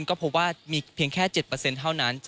ก็พบว่ามีเพียงแค่๗เท่านั้น